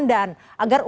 agar upaya pengendaliannya